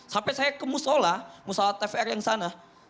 sampai saya ke musola musola tvr yang sana